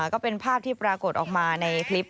ก็เป็นภาพที่ปรากฏออกมาในคลิป